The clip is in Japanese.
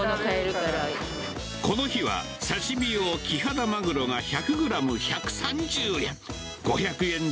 この日は、刺身用キハダマグロが１００グラム１３０円。